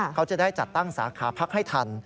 เขาจะได้จัดตั้งสาขาพักให้ทัน